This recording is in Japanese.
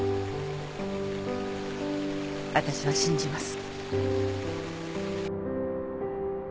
私は信じます。